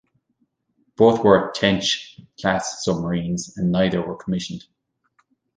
Both were "Tench"-class submarines, and neither were commissioned.